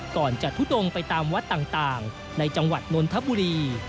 ก่อนจะทุดงไปตามวัดต่างในจังหวัดนนทบุรี